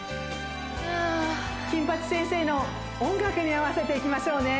「金八先生」の音楽に合わせていきましょうね